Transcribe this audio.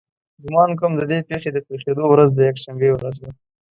ګمان کوم د دې پېښې د پېښېدو ورځ د یکشنبې ورځ وه.